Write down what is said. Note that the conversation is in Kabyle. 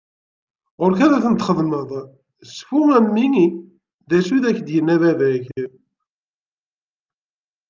Ɣur-k ad tent-xedmeḍ!! Cfu a mmi d acu i d ak-yenna baba-k.